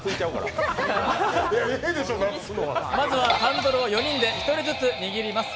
まずは、ハンドルを４人で１つずつ握ります。